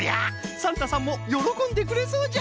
サンタさんもよろこんでくれそうじゃ。